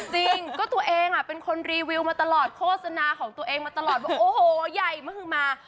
จริงก็ตัวเองเป็นคนรีวิวมาตลอดโฆษณาของตัวเองมาตลอดบอกโอ้โหใหญ่มหือมา